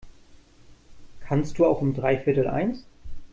Kannst du auch um dreiviertel eins?